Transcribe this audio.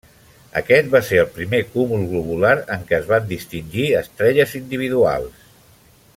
Aquest va ser el primer cúmul globular en què es van distingir estrelles individuals.